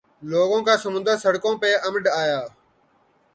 لوگوں کا سمندر سڑکوں پہ امڈآیا۔